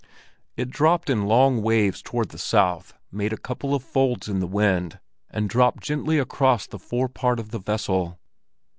It dropped in long waves toward the south, made a couple of folds in the wind, and dropped gently across the fore part of the vessel.